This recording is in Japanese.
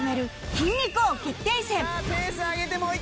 筋肉王決定戦